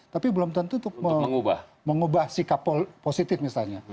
tapi belum tentu untuk mengubah sikap positif misalnya